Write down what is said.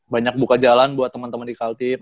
banyak buka jalan buat temen temen di kaltim